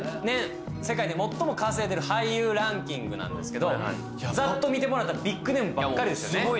世界で最も稼いでる俳優ランキングなんですけどザッと見てもらったらビッグネームばっかりですよね